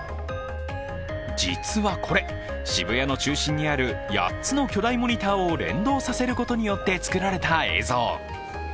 実はこれ、渋谷の中心にある８つの巨大モニターを連動させることによって作られた映像。